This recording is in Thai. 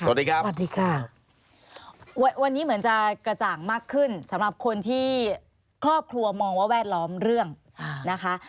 สวัสดีครับสวัสดีค่ะวันนี้เหมือนจะกระจ่างมากขึ้นสำหรับคนที่ครอบครัวมองว่าแวดล้อมเรื่องนะคะ